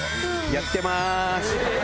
やってます。